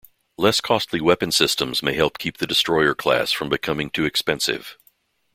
Less costly weapon systems may help keep the destroyer class from becoming too expensive.